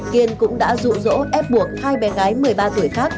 kiên cũng đã rụ rỗ ép buộc hai bé gái một mươi ba tuổi khác